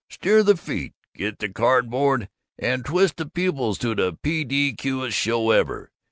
Steer the feet, get the card board, and twist the pupils to the PDQest show ever.